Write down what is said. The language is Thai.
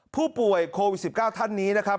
ผู้ป่วยโควิด๑๙ท่านนี้นะครับ